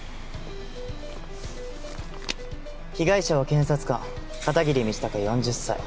被害者は検察官片桐道隆４０歳。